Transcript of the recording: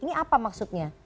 ini apa maksudnya